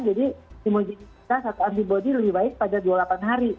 jadi simul sistem kita satu antibody lebih baik pada dua puluh delapan hari